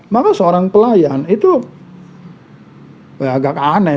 maka seorang pelayan itu agak aneh